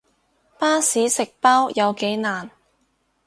巴士食包有幾難